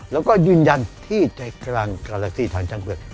แล้วก็ยืนยันที่ใจกลางคาเล็กซี่ทางช้างเผือก